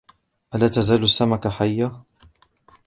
ألا تزال السمكة حية ؟